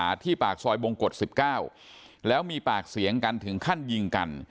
ที่ปากซอยบงกฎ๑๙แล้วมีปากเสียงกันถึงขั้นยิงกัน